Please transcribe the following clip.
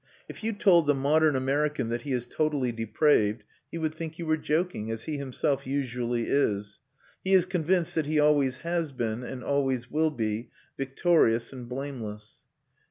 If you told the modern American that he is totally depraved, he would think you were joking, as he himself usually is. He is convinced that he always has been, and always will be, victorious and blameless.